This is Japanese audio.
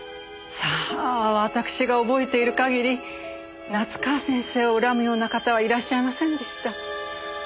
さあわたくしが覚えている限り夏河先生を恨むような方はいらっしゃいませんでした。